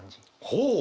ほう。